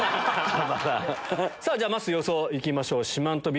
まっすー予想いきましょう。